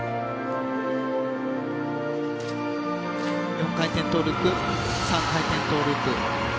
４回転トウループ３回転トウループ。